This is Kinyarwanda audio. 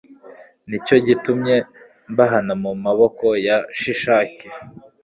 ni cyo gitumye mbahana mu maboko ya shishaki